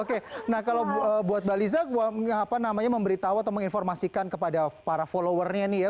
oke nah kalau buat mbak liza memberitahu atau menginformasikan kepada para followernya nih ya